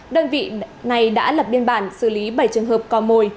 đơn vị này đã lập biên bản xử lý bảy trường hợp cò mồi